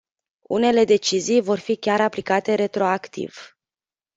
Unele decizii vor fi chiar aplicate retroactiv.